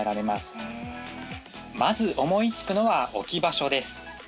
まず思いつくのは置き場所です。